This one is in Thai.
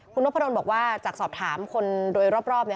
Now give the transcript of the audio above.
คุณนพดลบอกว่าจากสอบถามคนโดยรอบ